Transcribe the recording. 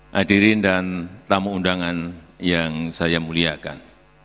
hadirin dan tamu undangan yang saya muliakan